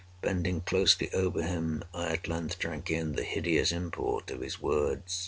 Bending closely over him, I at length drank in the hideous import of his words.